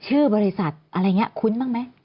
ชื่อบริษัทอะไรอย่างนี้คุ้นบ้างไหม